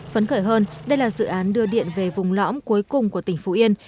phấn khởi hơn đây là dự án đưa điện về vùng lõm cuối cùng của tỉnh phú yên